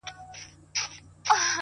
د ښكلا ميري د ښكلا پر كلي شــپه تېروم-